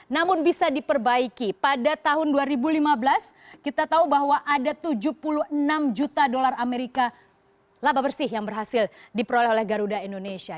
namun bisa diperbaiki pada tahun dua ribu lima belas kita tahu bahwa ada tujuh puluh enam juta dolar amerika laba bersih yang berhasil diperoleh oleh garuda indonesia